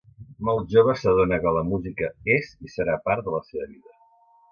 Molt jove s'adona que la música és i serà part de la seva vida.